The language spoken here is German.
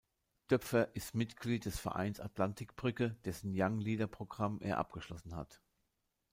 Döpfner ist Mitglied des Vereins Atlantik-Brücke, dessen „Young Leader“-Programm er abgeschlossen hat.